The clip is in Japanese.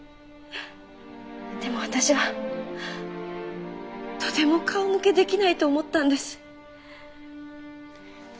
でも私はとても顔向けできないと思ったんです。